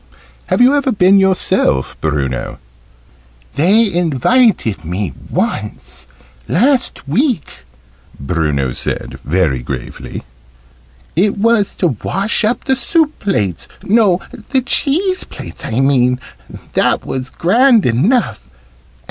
"Have you ever been yourself, Bruno?" "They invited me once, last week," Bruno said, very gravely. "It was to wash up the soup plates no, the cheese plates I mean that was grand enough.